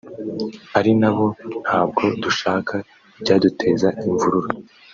ari nabo ntabwo dushaka ibyaduteza imvururu